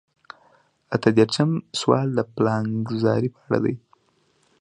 اته دېرشم سوال د پلانګذارۍ په اړه دی.